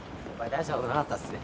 大したことなかったっすね。